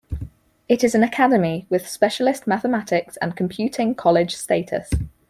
It is an Academy with specialist Mathematics and Computing College status.